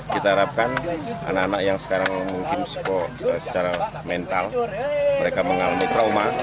kita harapkan anak anak yang sekarang mungkin psiko secara mental mereka mengalami trauma